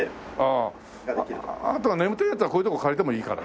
あとは眠たいヤツはこういうとこ借りてもいいからな。